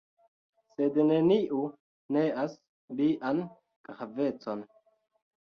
Sed neniu neas lian gravecon.